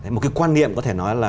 một cái quan niệm có thể nói là